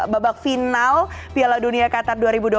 babak final piala dunia qatar